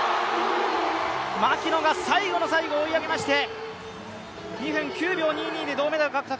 牧野が最後の最後、追い上げまして２分９秒２２で銅メダル獲得。